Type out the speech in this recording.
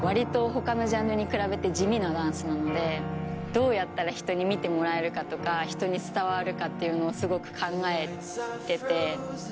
どうやったら人に見てもらえるかとか人に伝わるかっていうのをすごく考えてて。